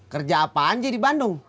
kerja apa aja di bandung